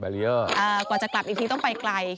แบลเลียร์อ่ากว่าจะกลับอีกทีต้องไปไกล